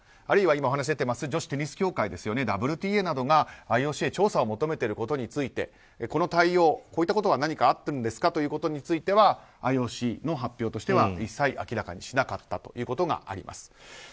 あるいは今お話に出ています女子テニス協会、ＷＴＡなどがＩＯＣに調査を求めていることについてこの対応、こういったことが何かあったんですかということについてはＩＯＣの発表としては一切明らかにしなかったということがあります。